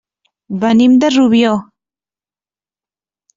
Venim de Rubió.